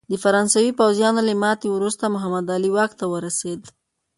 د فرانسوي پوځیانو له ماتې وروسته محمد علي واک ته ورسېد.